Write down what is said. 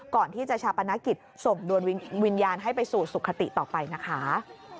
ก่อนที่จะชาปนกิจส่งดวงวิญญาณให้ไปสู่สุขติต่อไปนะคะ